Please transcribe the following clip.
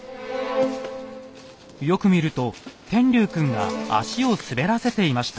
よく見ると天龍くんが足を滑らせていました。